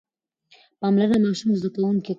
پاملرنه ماشوم زده کوونکی کوي.